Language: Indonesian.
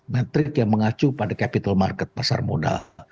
metrik yang mengacu pada capital market pasar modal